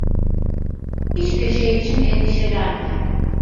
Hiçbir şey için endişelenme.